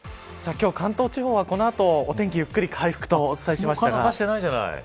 今日、関東地方は、この後お天気ゆっくり回復とお伝えしましたが。